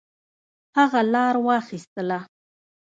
هغه لار واخیستله.